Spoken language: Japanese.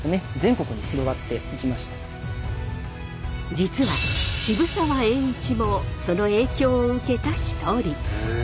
実は渋沢栄一もその影響を受けた一人。